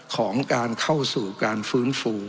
ของการเข้าสู่การฟื้นฟู